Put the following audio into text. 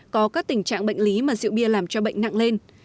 có các tình trạng bệnh lý mà rượu bia làm cho bệnh nặng lên